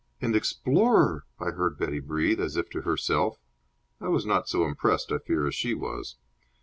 "An explorer!" I heard Betty breathe, as if to herself. I was not so impressed, I fear, as she was.